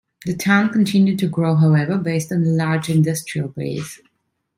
The town continued to grow however, based on a large industrial base.